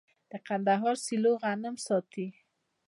د کندهار سیلو غنم ساتي.